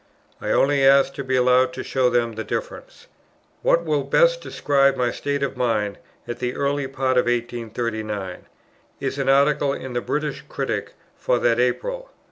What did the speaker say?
I only asked to be allowed to show them the difference. What will best describe my state of mind at the early part of 1839, is an Article in the British Critic for that April.